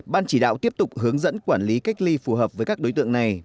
ban chỉ đạo tiếp tục hướng dẫn quản lý cách ly phù hợp với các đối tượng này